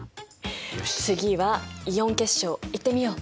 次はイオン結晶いってみよう！